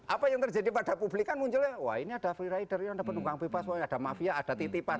apa yang terjadi pada publik kan munculnya wah ini ada freerider ini ada pendukung bebas ada mafia ada titipan